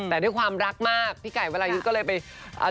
แต่ด้วยความรักมากพี่ไก่วรายุทธ์ก็เลยไป